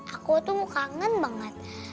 aku tuh kangen banget